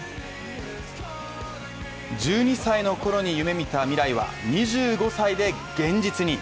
１２歳のころに夢みた未来は２５歳で現実に。